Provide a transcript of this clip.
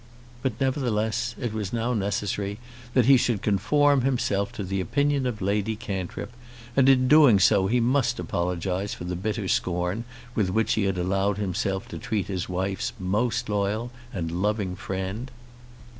But, nevertheless, it was now necessary that he should conform himself to the opinion of Lady Cantrip, and in doing so he must apologise for the bitter scorn with which he had allowed himself to treat his wife's most loyal and loving friend.